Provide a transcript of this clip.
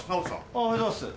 おはようございます。